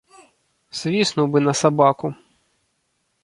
Свіснуў бы на сабаку.